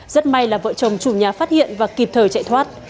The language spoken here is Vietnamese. rất may là vợ chồng chủ nhà phát hiện và kịp thời chạy thoát